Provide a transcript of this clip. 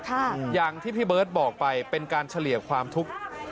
อย่างที่พี่เบิร์ตบอกไปเป็นการเฉลี่ยความทุกข์